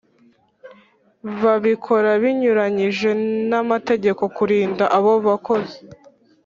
ba bikora binyuranyije n amategeko kurinda abo bakozi